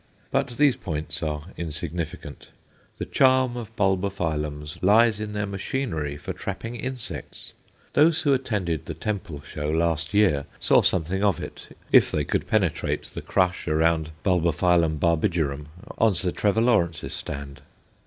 But these points are insignificant. The charm of Bulbophyllums lies in their machinery for trapping insects. Those who attended the Temple show last year saw something of it, if they could penetrate the crush around B. barbigerum on Sir Trevor Lawrence's stand.